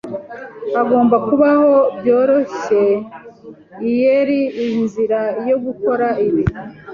Hagomba kubaho byoroshyeier inzira yo gukora ibi.